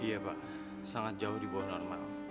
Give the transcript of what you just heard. iya pak sangat jauh di bawah normal